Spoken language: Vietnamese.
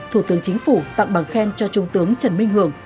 thủ tướng chính phủ tặng bằng khen cho trung tướng trần minh hưởng